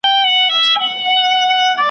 دوی پلار ته په څومره جذاب اسلوب وايي.